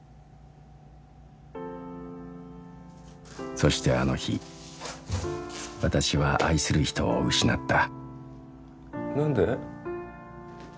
そしてあの日私は愛する人を失った何で？